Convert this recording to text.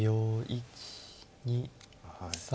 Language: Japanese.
１２３。